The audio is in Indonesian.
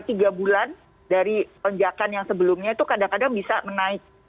nah ini adalah bulan dari penjakan yang sebelumnya itu kadang kadang bisa menaik